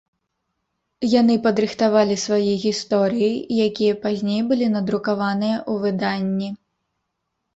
Яны падрыхтавалі свае гісторыі, якія пазней былі надрукаваныя ў выданні.